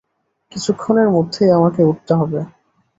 কিছুক্ষণের মধ্যেই আমাকে উঠতে হবে।